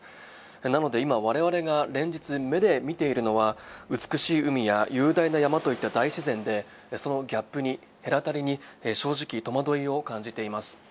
なので今我々が連日、目で見ているのは美しい海や雄大な山といった大自然でそのギャップ、隔たりに正直戸惑いを感じています。